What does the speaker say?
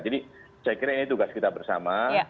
jadi saya kira ini tugas kita bersama